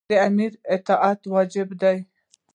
د امیر اطاعت واجب دی.